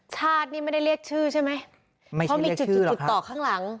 ชาตินี่ไม่ได้เรียกชื่อใช่ไหมเพราะมีจุดจุดต่อข้างหลัง